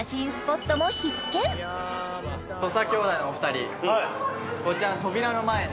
さらに土佐兄弟のお二人